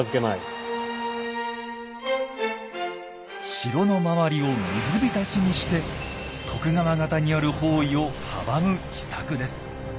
城の周りを水浸しにして徳川方による包囲を阻む秘策です。